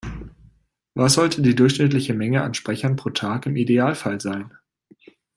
Was sollte die durchschnittliche Menge an Sprechern pro Tag im Idealfall sein?